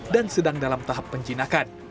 dan sedang dalam tahap penjinakan